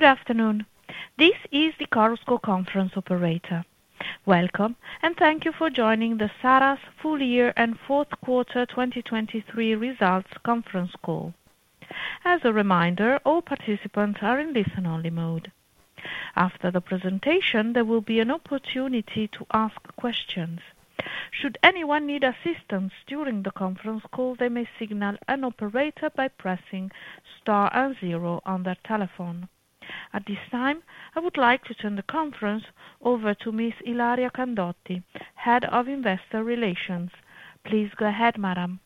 Good afternoon. This is the Chorus Call Conference operator. Welcome, and thank you for joining the Saras Full Year and Fourth Quarter 2023 Results Conference Call. As a reminder, all participants are in listen-only mode. After the presentation, there will be an opportunity to ask questions. Should anyone need assistance during the conference call, they may signal an operator by pressing star and zero on their telephone. At this time, I would like to turn the conference over to Miss Ilaria Candotti, Head of Investor Relations. Please go ahead, madam.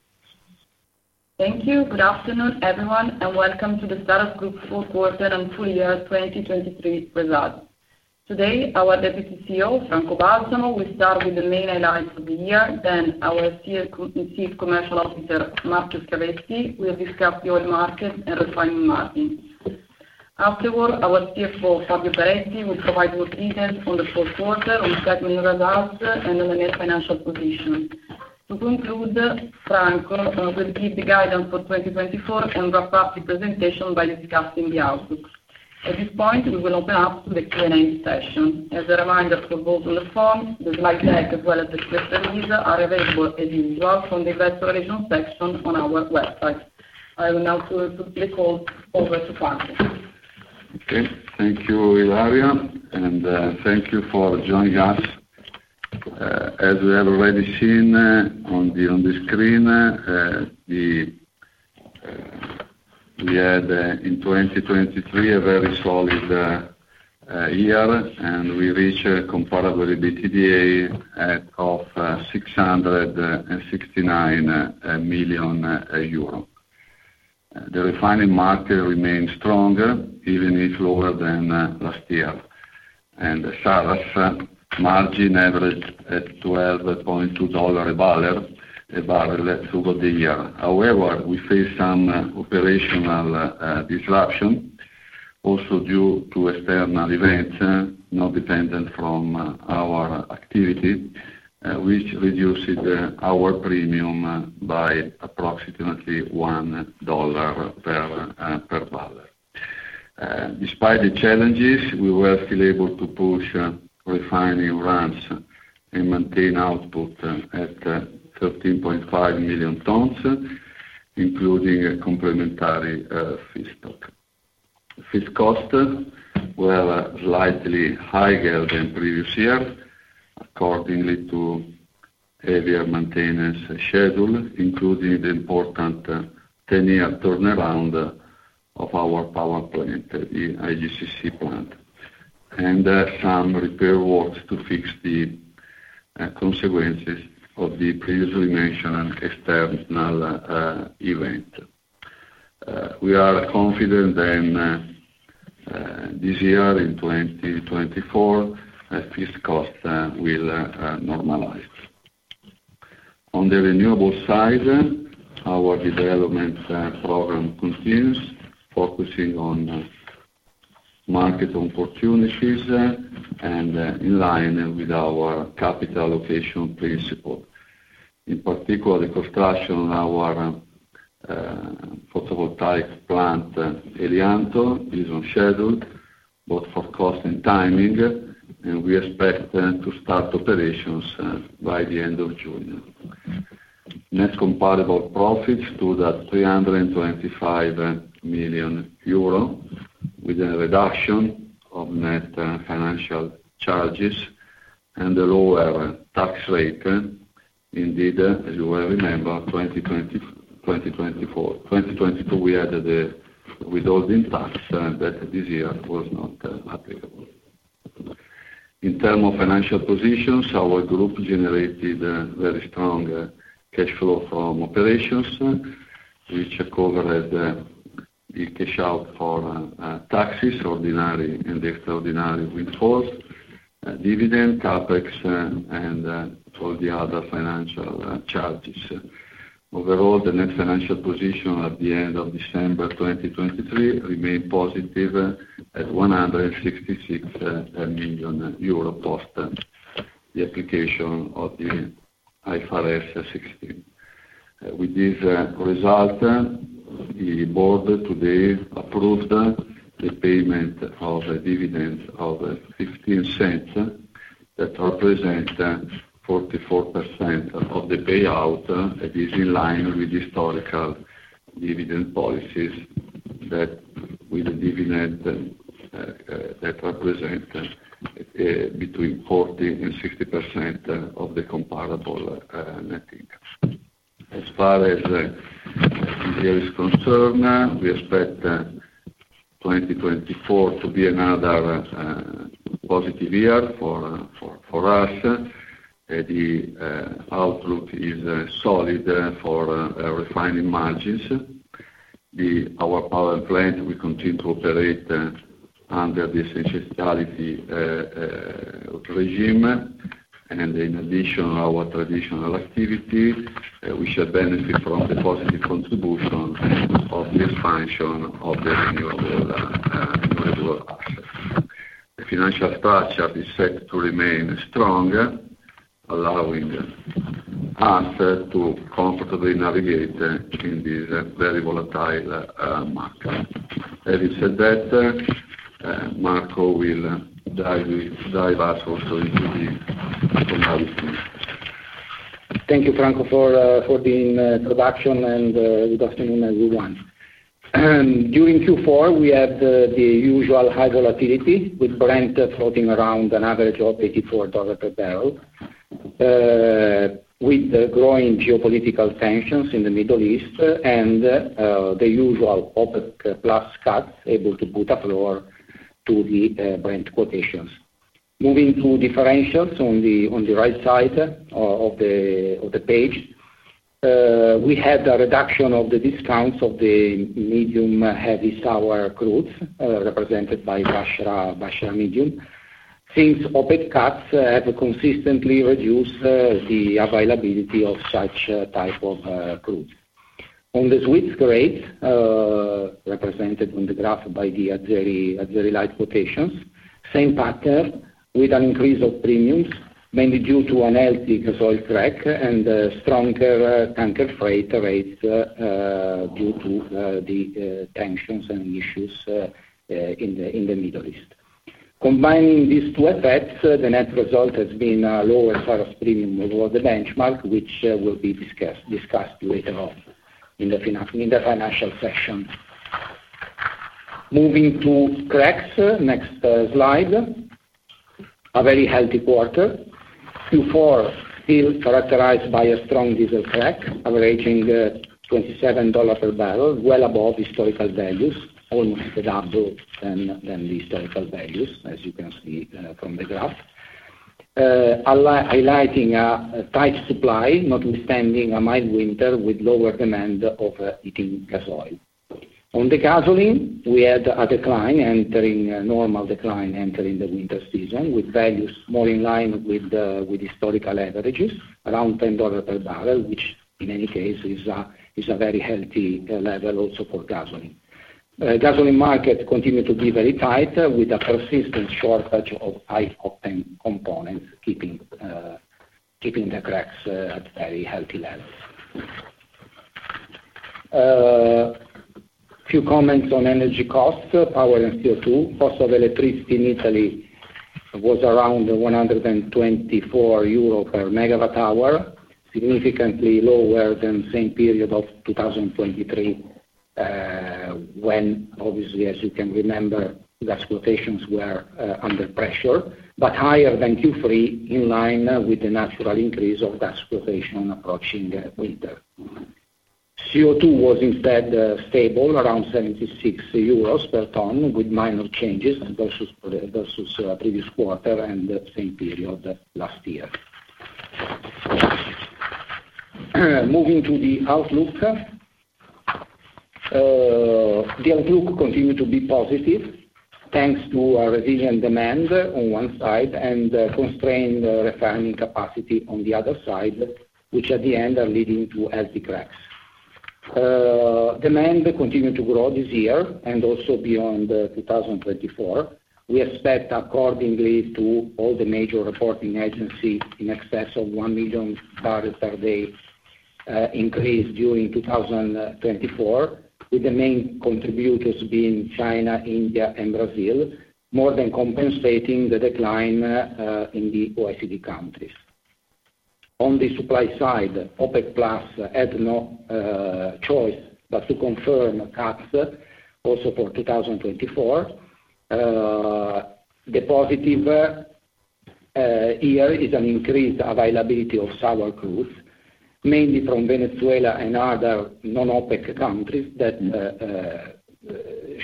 Thank you. Good afternoon, everyone, and welcome to the Saras Group Fourth Quarter and Full Year 2023 Results. Today, our Deputy CEO, Franco Balsamo, will start with the main highlights of the year, then our Chief Commercial Officer, Marco Schiavetti, will discuss the oil market and refining margin. Afterward, our CFO, Fabio Peretti, will provide more details on the fourth quarter, on financial results, and on the net financial position. To conclude, Franco will give the guidance for 2024 and wrap up the presentation by discussing the outlook. At this point, we will open up to the Q&A session. As a reminder for both on the phone, the slide deck, as well as the press release, are available as usual from the Investor Relations section on our website. I will now turn the call over to Franco. Okay. Thank you, Ilaria, and thank you for joining us. As we have already seen on the screen, we had in 2023 a very solid year, and we reached a comparable EBITDA of 669 million euro. The refining market remains strong, even if lower than last year, and Saras margin averaged at $12.2 a barrel throughout the year. However, we face some operational disruption, also due to external events not dependent from our activity, which reduces our premium by approximately $1 per barrel. Despite the challenges, we were still able to push refining runs and maintain output at 13.5 million tons, including a complementary feedstock. Feed costs were slightly higher than previous year, according to heavier maintenance schedule, including the important ten-year turnaround of our power plant, the IGCC plant, and some repair works to fix the consequences of the previously mentioned external event. We are confident then, this year, in 2024, this cost will normalize. On the renewable side, our development program continues, focusing on market opportunities and in line with our capital allocation principle. In particular, the construction of our photovoltaic plant, Elianto, is on schedule, both for cost and timing, and we expect to start operations by the end of June. Net comparable profits stood at 325 million euro, with a reduction of net financial charges and a lower tax rate. Indeed, as you well remember, 2020, 2024... In 2022, we had withholding tax, and that this year was not applicable. In terms of financial positions, our group generated a very strong cash flow from operations, which covered the cash out for taxes, ordinary and extraordinary results, dividend, CapEx, and all the other financial charges. Overall, the net financial position at the end of December 2023 remained positive at 166 million euro post the application of the IFRS 16. With this result, the board today approved the payment of a dividend of 0.15, that represents 44% of the payout, that is in line with historical dividend policies, that with the dividend that represent between 40%-60% of the comparable net income. As far as this year is concerned, we expect 2024 to be another positive year for us. The outlook is solid for refining margins. Our power plant will continue to operate under the Essentiality Regime. And in addition, our traditional activity, we should benefit from the positive contribution of the expansion of the renewable. The financial structure is set to remain strong. ... allowing us to comfortably navigate in the very volatile market. Having said that, Marco will dive us also into the analysis. Thank you, Franco, for the introduction, and good afternoon, everyone. During Q4, we had the usual high volatility, with Brent floating around an average of $84 per barrel. With the growing geopolitical tensions in the Middle East and the usual OPEC Plus cuts able to put a floor to the Brent quotations. Moving to differentials on the right side of the page. We had a reduction of the discounts of the medium heavy sour crudes, represented by Basra, Basra Medium. Since OPEC cuts have consistently reduced the availability of such type of crudes. On the sweet grade, represented on the graph by the Azeri, Azeri Light quotations, same pattern with an increase of premiums, mainly due to a healthy gasoil crack and stronger tanker freight rates, due to the tensions and issues in the Middle East. Combining these two effects, the net result has been a lower sort of premium over the benchmark, which will be discussed later on in the financial section. Moving to cracks, next slide. A very healthy quarter. Q4, still characterized by a strong diesel crack, averaging $27 per barrel, well above historical values, almost double the historical values, as you can see from the graph. Highlighting tight supply, notwithstanding a mild winter with lower demand of heating gasoil. On the gasoline, we had a decline, entering a normal decline, entering the winter season, with values more in line with historical averages, around $10 per barrel, which in any case is a very healthy level also for gasoline. Gasoline market continued to be very tight, with a persistent shortage of high octane components, keeping the cracks at very healthy levels. Few comments on energy costs, power, and CO2. Cost of electricity in Italy was around 124 euro per MW hour, significantly lower than same period of 2023, when obviously, as you can remember, gas quotations were under pressure, but higher than Q3, in line with the natural increase of gas quotation approaching the winter. CO2 was instead stable around 76 euros per ton, with minor changes versus previous quarter and the same period last year. Moving to the outlook. The outlook continued to be positive, thanks to a resilient demand on one side and a constrained refining capacity on the other side, which at the end are leading to healthy cracks. Demand continued to grow this year and also beyond 2024. We expect according to all the major reporting agencies in excess of 1 million barrels per day increase during 2024, with the main contributors being China, India, and Brazil, more than compensating the decline in the OECD countries. On the supply side, OPEC+ had no choice but to confirm cuts also for 2024. The positive here is an increased availability of sour crudes, mainly from Venezuela and other non-OPEC countries that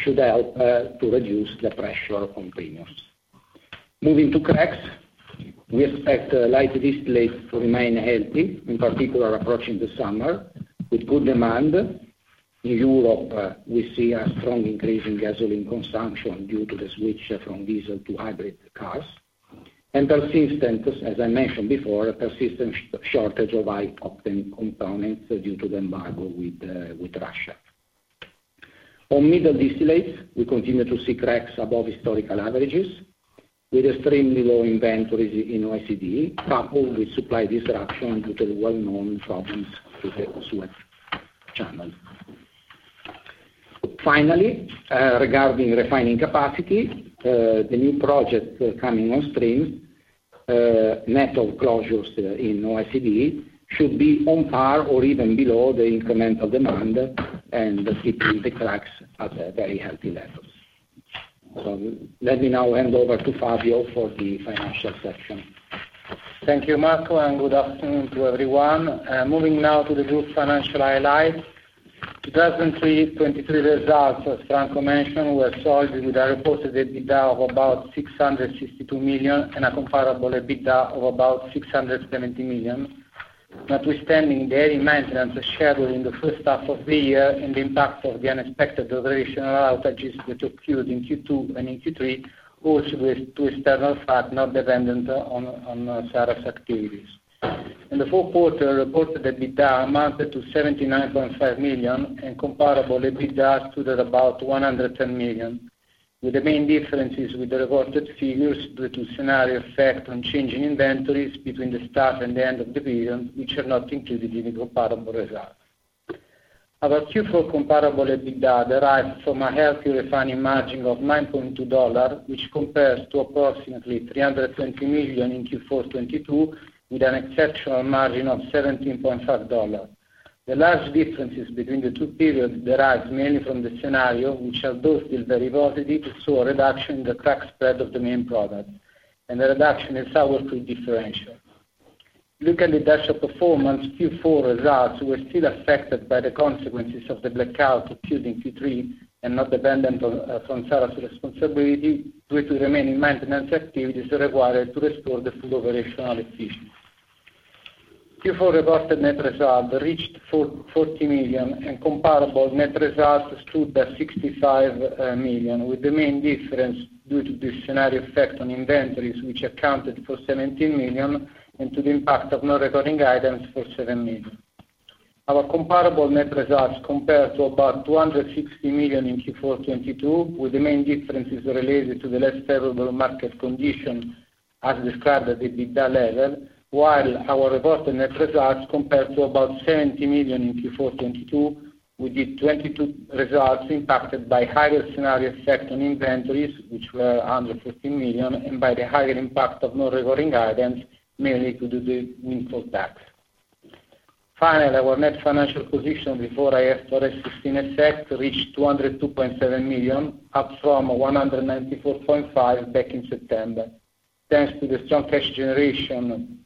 should help to reduce the pressure on premiums. Moving to cracks, we expect light distillates to remain healthy, in particular, approaching the summer with good demand. In Europe, we see a strong increase in gasoline consumption due to the switch from diesel to hybrid cars, and, as I mentioned before, a persistent shortage of high octane components due to the embargo with Russia. On middle distillates, we continue to see cracks above historical averages, with extremely low inventories in OECD, coupled with supply disruptions due to the well-known problems with the Suez Canal. Finally, regarding refining capacity, the new project coming on stream, net of closures in OECD, should be on par or even below the incremental demand and keeping the cracks at a very healthy levels. So let me now hand over to Fabio for the financial section. Thank you, Marco, and good afternoon to everyone. Moving now to the group's financial highlights. 2023 results, as Franco mentioned, were solid, with a reported EBITDA of about 662 million and a comparable EBITDA of about 670 million. Notwithstanding the early maintenance scheduled in the first half of the year and the impact of the unexpected operational outages, which occurred in Q2 and in Q3, also with two external factors not dependent on Saras's activities. In the fourth quarter, reported EBITDA amounted to 79.5 million, and comparable EBITDA stood at about 110 million.... With the main differences with the reported figures due to scenario effect on changing inventories between the start and the end of the period, which are not included in the comparable results. Our Q4 comparable EBITDA derives from a healthy refining margin of $9.2, which compares to approximately 320 million in Q4 2022, with an exceptional margin of $17.5. The large differences between the two periods derives mainly from the scenario, which are both still very positive, we saw a reduction in the crack spread of the main product, and the reduction is powerfully differential. Despite the performance, Q4 results were still affected by the consequences of the blackout occurred in Q3, and not dependent on from Saras responsibility, due to the remaining maintenance activities required to restore the full operational efficiency. Q4 reported net results reached 440 million, and comparable net results stood at 65 million, with the main difference due to the scenario effect on inventories, which accounted for 17 million, and to the impact of non-recurring items for 7 million. Our comparable net results compared to about 260 million in Q4 2022, with the main differences related to the less favorable market conditions as described at the EBITDA level, while our reported net results compared to about 70 million in Q4 2022, with the 2022 results impacted by higher scenario effect on inventories, which were under 15 million, and by the higher impact of non-recurring items, mainly to do with income tax. Finally, our net financial position before IFRS 16 effect reached 202.7 million, up from 194.5 million back in September. Thanks to the strong cash generation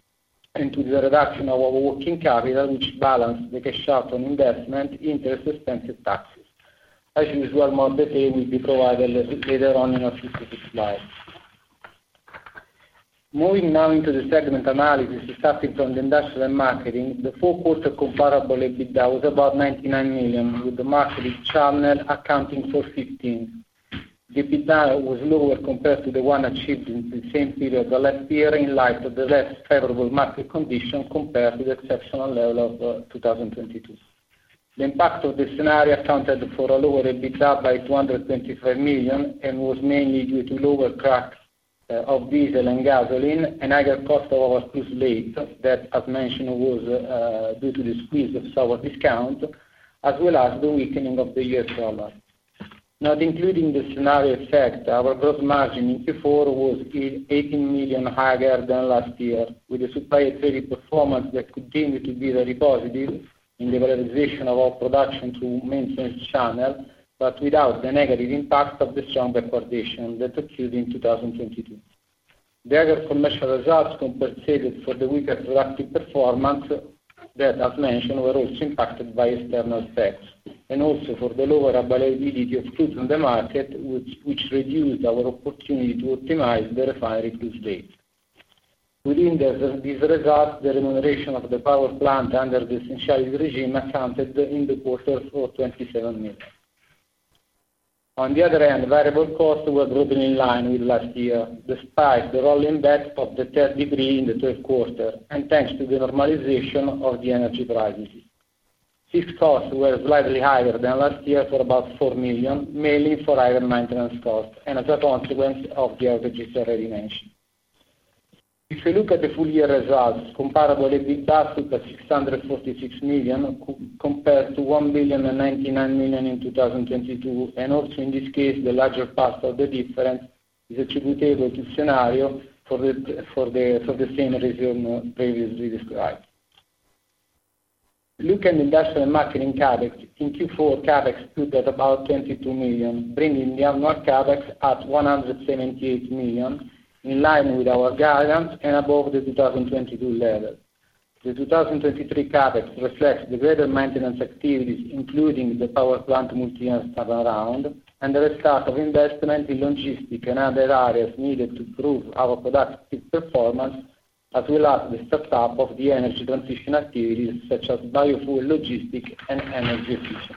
and to the reduction of our working capital, which balanced the cash out on investment, interest, expense, and taxes. As usual, more detail will be provided later on in our specific slide. Moving now into the segment analysis, starting from the industrial and marketing, the full quarter comparable EBITDA was about 99 million, with the marketing channel accounting for 15. The EBITDA was lower compared to the one achieved in the same period of last year, in light of the less favorable market conditions, compared to the exceptional level of 2022. The impact of the scenario accounted for a lower EBITDA by 225 million, and was mainly due to lower crack of diesel and gasoline, and higher cost of our crude slate, that, as mentioned, was due to the squeeze of sour discount, as well as the weakening of the US dollar. Not including the scenario effect, our gross margin in Q4 was 18 million higher than last year, with a supply and trading performance that continued to be very positive in the realization of our production through maintenance channel, but without the negative impact of the strong recordation that occurred in 2022. The other commercial results compensated for the weaker productive performance that, as mentioned, were also impacted by external effects, and also for the lower availability of goods on the market, which reduced our opportunity to optimize the refinery crude slate. Within this regard, the remuneration of the power plant under the Essentiality Regime accounted in the quarter for 27 million. On the other hand, variable costs were broadly in line with last year, despite the rolling back of the third decree in the third quarter, and thanks to the normalization of the energy prices. These costs were slightly higher than last year for about 4 million, mainly for higher maintenance costs and as a consequence of the turnarounds already mentioned. If you look at the full year results, comparable EBITDA stood at 646 million, compared to 1,099 million in 2022, and also in this case, the larger part of the difference is attributable to the scenario for the same reason previously described. Look at industrial and marketing CapEx. In Q4, CapEx stood at about 22 million, bringing the annual CapEx at 178 million, in line with our guidance and above the 2022 level. The 2023 CapEx reflects the greater maintenance activities, including the power plant multi-year turnaround, and the restart of investment in logistics and other areas needed to improve our productive performance, as well as the start up of the energy transition activities such as biofuel, logistics, and energy efficiency.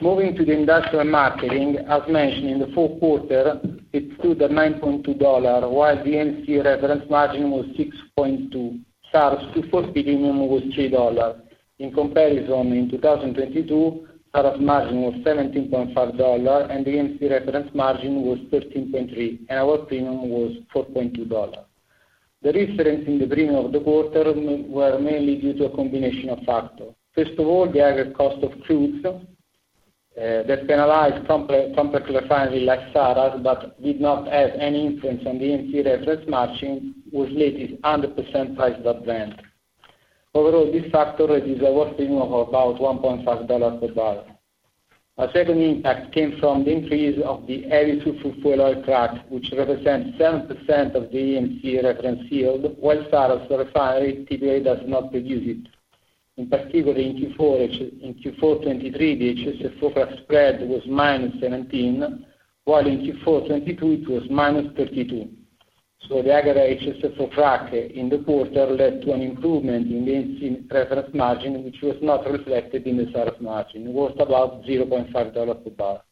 Moving to the industrial margin, as mentioned in the fourth quarter, it stood at $9.2, while the EMC reference margin was $6.2. Saras Q4 premium was $3. In comparison, in 2022, Saras margin was $17.5, and the EMC reference margin was $13.3, and our premium was $4.2. The difference in the premium of the quarter were mainly due to a combination of factors. First of all, the average cost of crude that penalize complex refinery like Saras, but did not have any influence on the EMC reference margin, was nearly 7% price above Brent. Overall, this factor reduced our premium of about $1.5 per barrel. A second impact came from the increase of the High Sulfur Fuel Oil crack, which represents 7% of the EMC reference yield, while Saras refinery typically does not produce it. In particular, in Q4 2023, the HSFO spread was -$17, while in Q4 2022, it was -$32. The aggregate HSFO crack in the quarter led to an improvement in the reference margin, which was not reflected in the Saras margin, worth about $0.5 per barrel...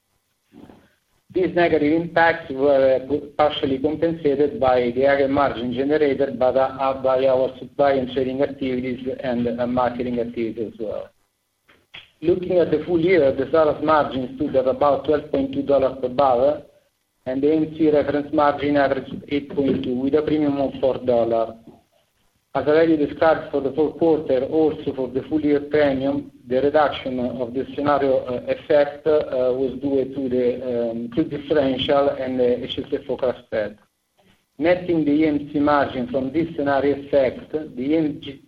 These negative impacts were partially compensated by the higher margin generated by our supply and trading activities and, marketing activities as well. Looking at the full year, the sales margin stood at about $12.2 per barrel, and the EMC reference margin averaged $8.2, with a premium of $4. As already described for the fourth quarter, also for the full year premium, the reduction of the scenario effect was due to differential and the HSFO forecast spread. Netting the EMC margin from this scenario effect, the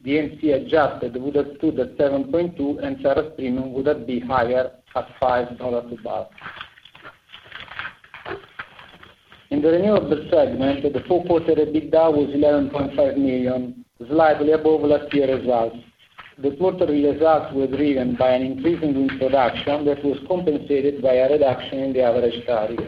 EMC adjusted would have stood at 7.2, and sales premium would have been higher at $5 per barrel. In the renewable segment, the fourth quarter EBITDA was 11.5 million, slightly above last year results. The quarterly results were driven by an increase in wind production that was compensated by a reduction in the average tariff.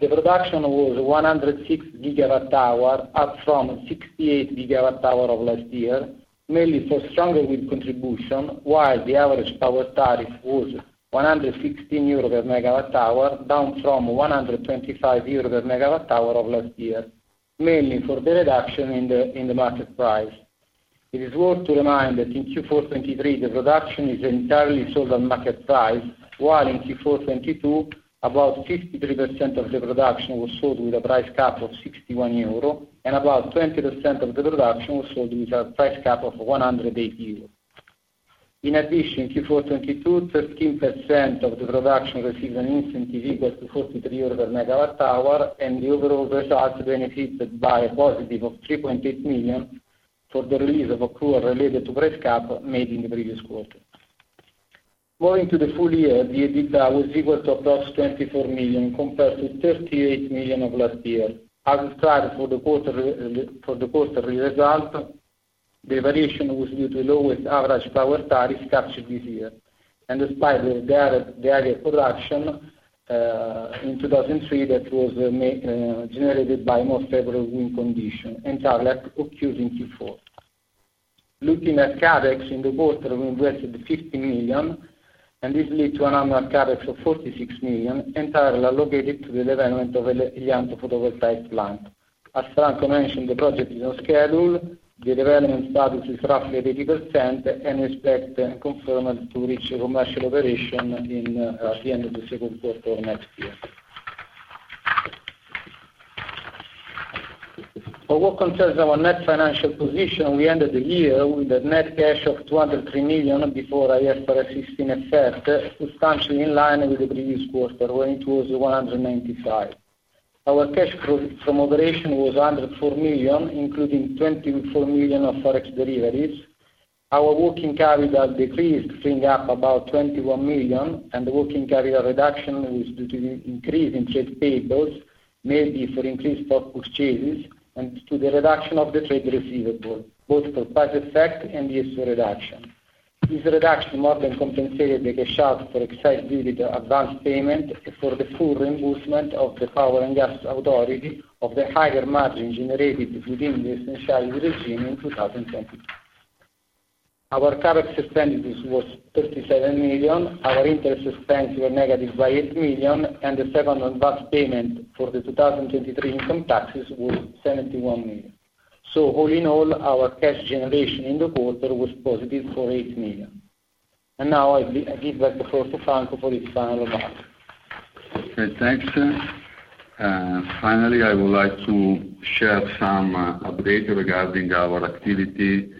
The production was 106 GWh, up from 68 GWh of last year, mainly for stronger wind contribution, while the average power tariff was 116 EUR/MWh, down from 125 EUR/MWh of last year, mainly for the reduction in the market price. It is worth to remind that in Q4 2023, the production is entirely sold on market price, while in Q4 2022, about 53% of the production was sold with a price cap of 61 euro, and about 20% of the production was sold with a price cap of 108 euro. In addition, Q4 2022, 13% of the production received an incentive equal to 43 euro per MW hour, and the overall results benefited by a positive of 3.8 million for the release of accrual related to price cap made in the previous quarter. Going to the full year, the EBITDA was equal to approximately 24 million, compared to 38 million of last year. As described for the quarter, for the quarter result, the variation was due to lowest average power tariff captured this year. Despite the higher production in 2023, that was generated by more favorable wind conditions, entirely occurred in Q4. Looking at CapEx, in the quarter, we invested 50 million, and this lead to an annual CapEx of 46 million, entirely allocated to the development of the Elianto photovoltaic plant. As Franco mentioned, the project is on schedule. The development status is roughly 80%, and we expect and confirmed to reach commercial operation in, at the end of the second quarter of next year. For what concerns our net financial position, we ended the year with a net cash of 203 million before IFRS 16 effect, substantially in line with the previous quarter, when it was 195. Our cash flow from operation was 104 million, including 24 million of Forex deliveries. Our working capital decreased, seeing up about 21 million, and the working capital reduction was due to the increase in trade payables, mainly for increased stock purchases and to the reduction of the trade receivable, both for price effect and the issue reduction. This reduction more than compensated the cash out for excise duty, advanced payment, and for the full reimbursement of the Power and Gas Authority of the higher margin generated within the Essentiality Regime in 2022. Our CapEx expenditures was 37 million. Our interest expense were negative by 8 million, and the second advanced payment for the 2023 income taxes was 71 million. So all in all, our cash generation in the quarter was positive for 8 million. And now, I give back the floor to Franco for his final remarks. Okay, thanks. Finally, I would like to share some update regarding our activity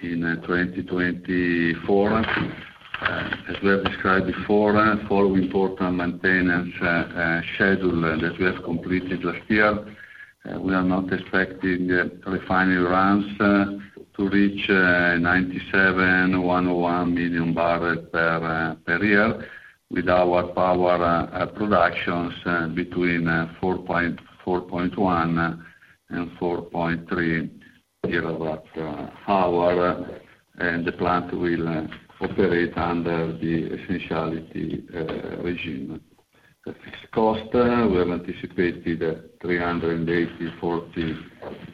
in 2024. As we have described before, following important maintenance schedule that we have completed last year, we are not expecting the refinery runs to reach 97 million barrels-101 million barrels per year, with our power productions between 4.1 gigawatt hour and 4.3 gigawatt hour, and the plant will operate under the Essentiality Regime. The fixed cost, we have anticipated 384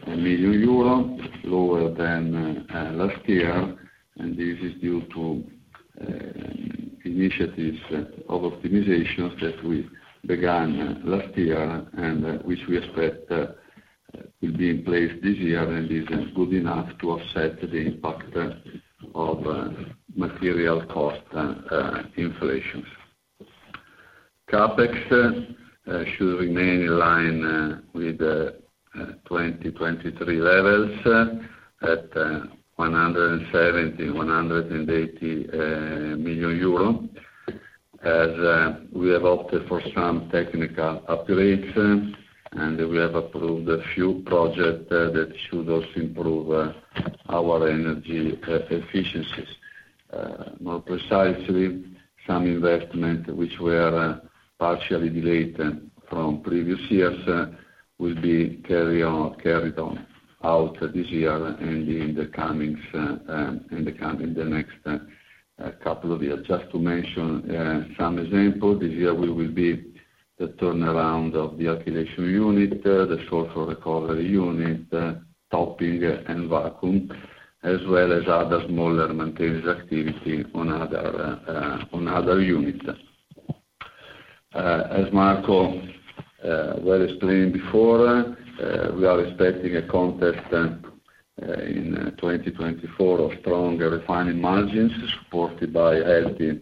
million euro, lower than last year, and this is due to initiatives of optimizations that we began last year and which we expect will be in place this year, and is good enough to offset the impact of material cost inflations. CapEx should remain in line with the 2023 levels at 170 million-180 million euro, as we have opted for some technical upgrades, and we have approved a few projects that should also improve our energy efficiencies. More precisely, some investment which were partially delayed from previous years will be carried out this year and in the coming next couple of years. Just to mention, some examples, this year we will be the turnaround of the alkylation unit, the sulfur recovery unit, topping and vacuum, as well as other smaller maintenance activity on other units. As Marco well explained before, we are expecting a context in 2024 of stronger refining margins, supported by healthy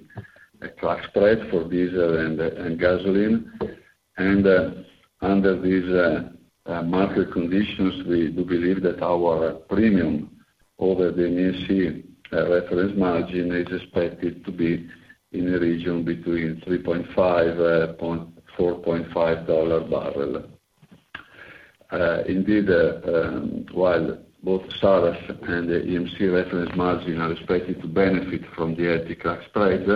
crack spread for diesel and gasoline. Under these market conditions, we do believe that our premium over the EMC reference margin is expected to be in a region between $3.5/barrel-$4.5/barrel. Indeed, while both Saras and the EMC reference margin are expected to benefit from the healthy crack spread,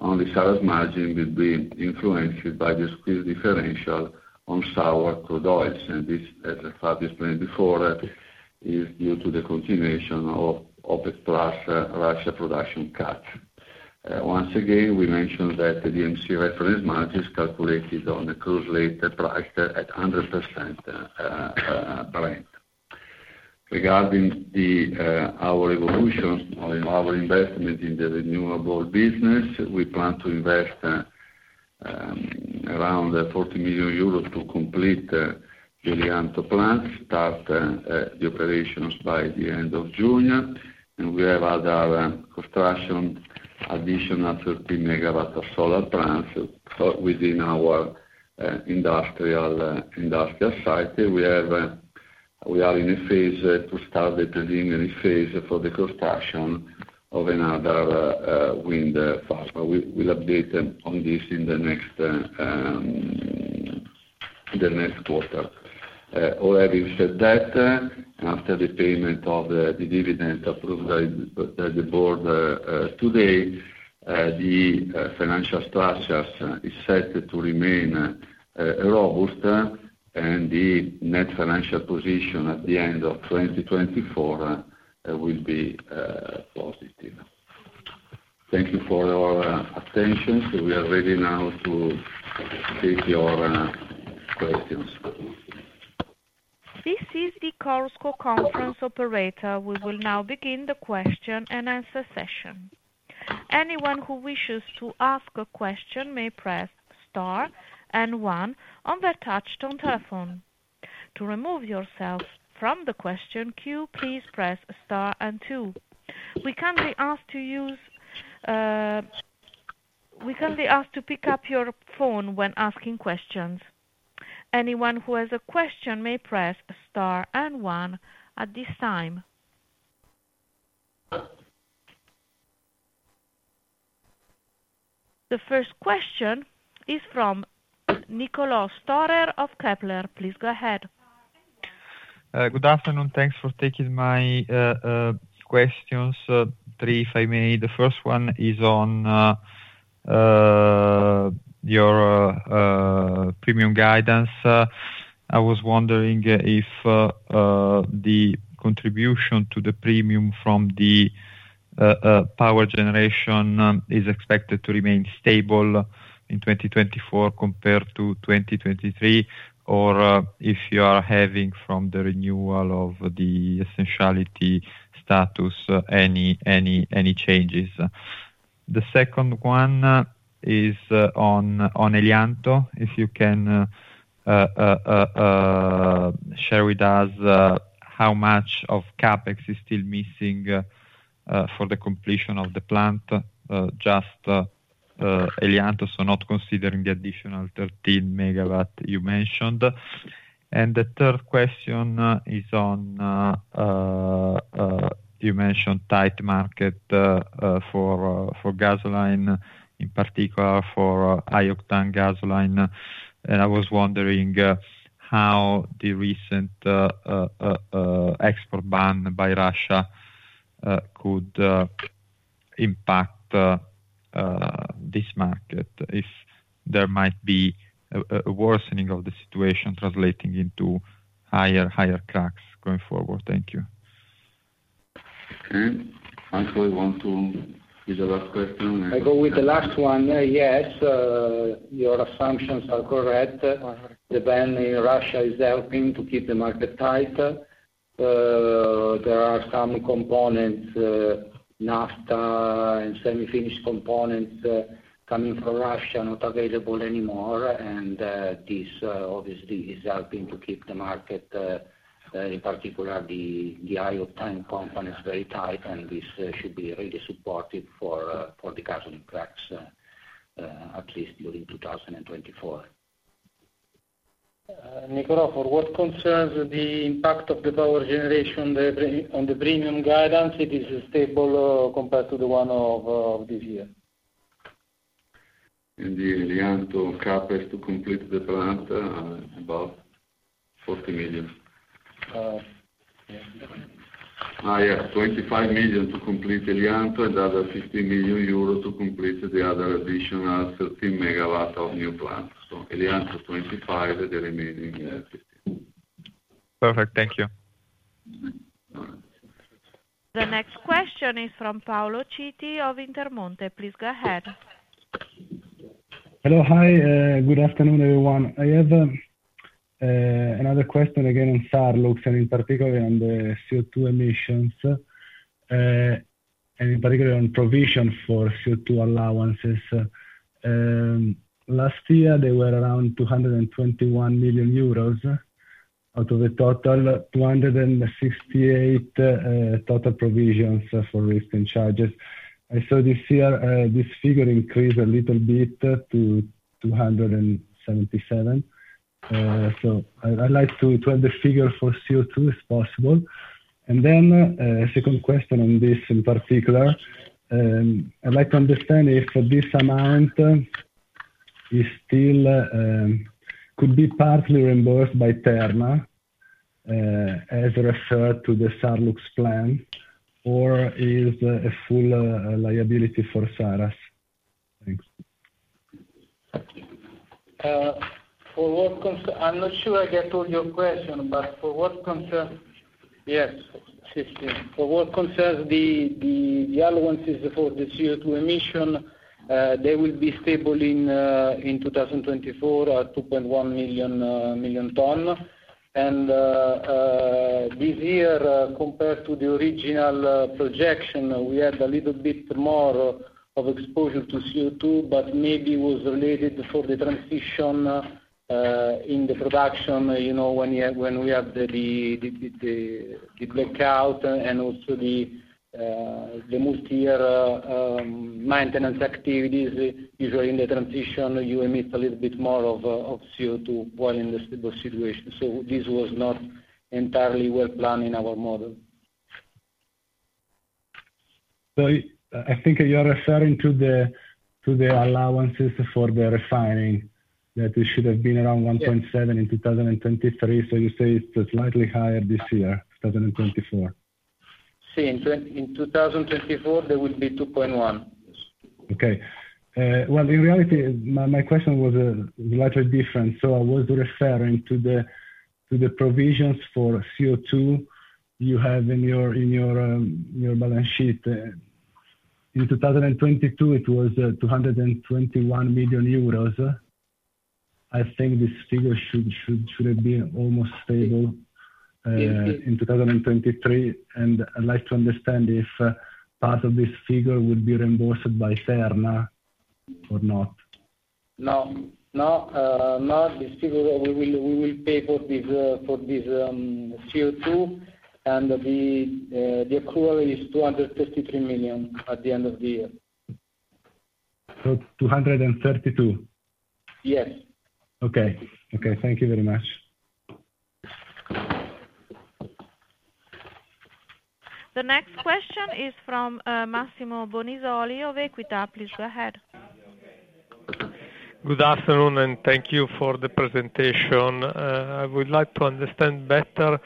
only Saras margin will be influenced by the squeeze differential on sour crude oils, and this, as Fabio explained before, is due to the continuation of OPEC+ Russia production cut. Once again, we mentioned that the EMC reference margin is calculated on the crude slate price at 100%, Brent. Regarding our evolution on our investment in the renewable business, we plan to invest around 40 million euros to complete the Elianto plant, start the operations by the end of June. And we have other construction, additional 13 MWs of solar plants within our industrial site. We are in a phase to start the preliminary phase for the construction of another wind farm. But we'll update them on this in the next quarter. Having said that, after the payment of the dividend approved by the board today, the financial structure is set to remain robust, and the net financial position at the end of 2024 will be positive. Thank you for your attention. We are ready now to take your questions. This is the Chorus Call Conference operator. We will now begin the question and answer session. Anyone who wishes to ask a question may press Star and One on their touchtone telephone. To remove yourself from the question queue, please press Star and Two. We kindly ask to pick up your phone when asking questions. Anyone who has a question may press Star and One at this time. The first question is from Niccolò Storer of Kepler Cheuvreux. Please go ahead. Good afternoon. Thanks for taking my questions. Three, if I may. The first one is on your premium guidance. I was wondering if the contribution to the premium from the power generation is expected to remain stable in 2024 compared to 2023, or if you are having from the renewal of the essentiality status any changes? The second one is on Elianto. If you can share with us how much of CapEx is still missing for the completion of the plant? Just Elianto, so not considering the additional 13 MW you mentioned. The third question is on the tight market you mentioned for gasoline, in particular for high octane gasoline, and I was wondering how the recent export ban by Russia could impact this market, if there might be a worsening of the situation translating into higher cracks going forward? Thank you. Okay. Marco, you want to... Is the last question? I go with the last one. Yes, your assumptions are correct. The ban in Russia is helping to keep the market tight. There are some components, naphtha and semi-finished components, coming from Russia, not available anymore. This obviously is helping to keep the market, in particular, the high octane components, very tight, and this should be really supportive for the gasoline cracks, at least during 2024. Nicolò, for what concerns the impact of the power generation, the premium, on the premium guidance, it is stable, compared to the one of this year. The Elianto CapEx to complete the plant about 40 million. Uh, yeah. Yeah, 25 million to complete Elianto and other 50 million euro to complete the other additional 13 MW of new plant. So Elianto, 25 million, the remaining, 50 million. Perfect. Thank you. The next question is from Paolo Citi of Intermonte. Please go ahead. Hello. Hi, good afternoon, everyone. I have another question again on Sarlux, and in particular, on the CO₂ emissions, and in particular, on provision for CO₂ allowances. Last year, they were around 221 million euros, out of the total, 268 million total provisions for risk and charges. I saw this year, this figure increased a little bit to 277 million. So I, I'd like to have the figure for CO₂, if possible. And then, second question on this, in particular, I'd like to understand if this amount is still could be partly reimbursed by Terna, as referred to the Sarlux plant, or is a full liability for Saras? Thanks. I'm not sure I get all your question, but for what concerns the allowances for the CO₂ emission, they will be stable in 2024 at 2.1 million tons. And this year, compared to the original projection, we had a little bit more of exposure to CO₂, but maybe was related for the transition in the production, you know, when you have, when we have the blackout and also the multi-year maintenance activities. Usually in the transition, you emit a little bit more of CO₂ while in the stable situation. So this was not entirely well planned in our model. So I think you are referring to the allowances for the refining, that it should have been around 1.7- Yes... in 2023. So you say it's slightly higher this year, 2024? Sì, in 2024, there will be 2.1. Okay. Well, in reality, my question was slightly different. So I was referring to the provisions for CO₂ you have in your balance sheet. In 2022, it was 221 million euros. I think this figure should have been almost stable in 2023, and I'd like to understand if part of this figure would be reimbursed by Terna or not. No, no, this figure, we will pay for this CO₂, and the accrual is 233 million at the end of the year. 232? Yes. Okay. Okay, thank you very much. The next question is from, Massimo Bonisoli of Equita. Please go ahead. Good afternoon, and thank you for the presentation. I would like to understand better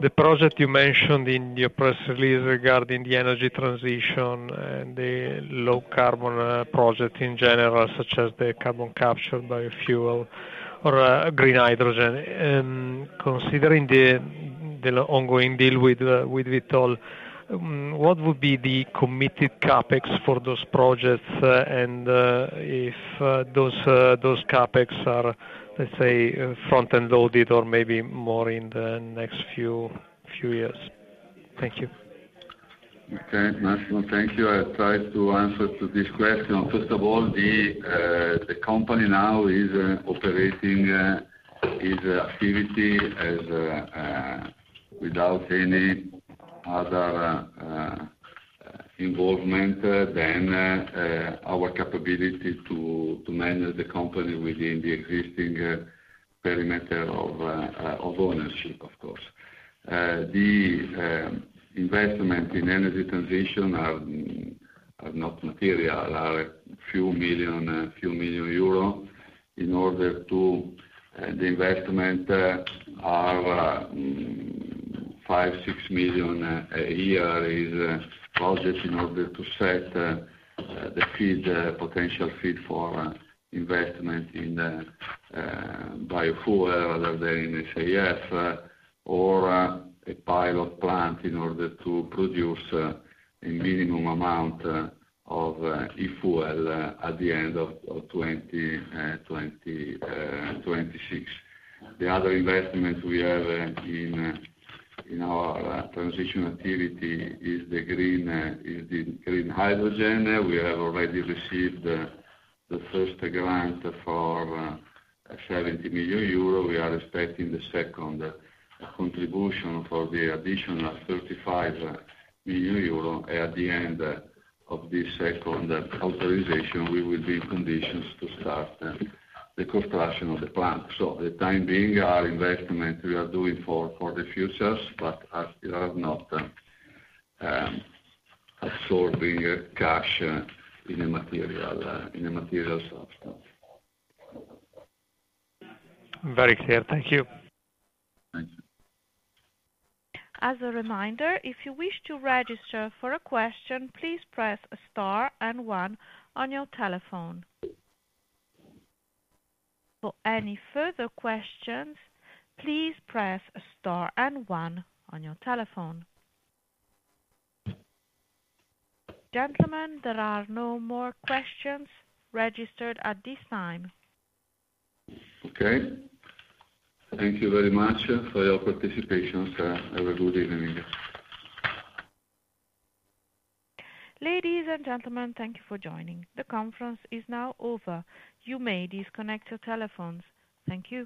the project you mentioned in your press release regarding the energy transition and the low carbon project in general, such as the carbon capture, biofuels or green hydrogen. Considering the ongoing deal with Vitol, what would be the committed CapEx for those projects, and if those CapEx are, let's say, front-end loaded or maybe more in the next few years? Thank you. Okay, Massimo, thank you. I try to answer to this question. First of all, the company now is operating its activity as without any other involvement than our capability to manage the company within the existing perimeter of ownership, of course. The investment in energy transition are not material, are a few million EUR. In order to the investment are 5 million-6 million a year, is a project in order to set the potential feed for investment in the biofuel rather than in SAF or a pilot plant in order to produce a minimum amount of e-fuel at the end of 2026. The other investment we have in our transition activity is the green hydrogen. We have already received the first grant for 70 million euro. We are expecting the second contribution for the additional 35 million euro. At the end of this second authorization, we will be in conditions to start the construction of the plant. For the time being, our investment we are doing for the future, but as we have not absorbing cash in a material substance. Very clear. Thank you. Thank you. As a reminder, if you wish to register for a question, please press star and one on your telephone. For any further questions, please press star and one on your telephone. Gentlemen, there are no more questions registered at this time. Okay. Thank you very much for your participation. Have a good evening. Ladies and gentlemen, thank you for joining. The conference is now over. You may disconnect your telephones. Thank you.